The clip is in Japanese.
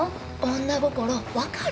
女心分かる？